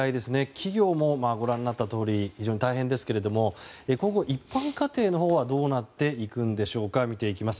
企業もご覧になったとおり非常に大変ですけども今後、一般家庭はどうなっていくのか見ていきます。